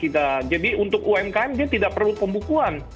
kita catat jadi untuk umkm dia tidak perlu pembukuan